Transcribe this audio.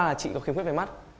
là chị có khiếm khuyết về mắt